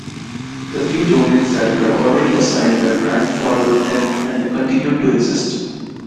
The few domains that were already assigned were grandfathered in and continued to exist.